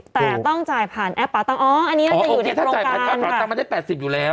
แต่ต้องจ่ายผ่านแอปประตังอ๋ออันนี้อยู่ในโครงการถ้าจ่ายผ่านแอปประตังมันได้๘๐อยู่แล้ว